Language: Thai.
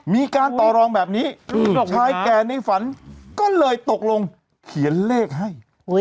มีการต่อรองแบบนี้ชายแก่ในฝันก็เลยตกลงเขียนเลขให้